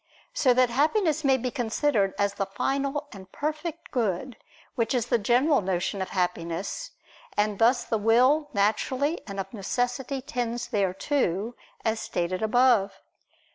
So that happiness may be considered as the final and perfect good, which is the general notion of happiness: and thus the will naturally and of necessity tends thereto, as stated above.